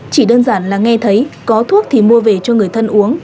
chỉ đơn giản là nghe thấy có thuốc thì mua về cho người thân uống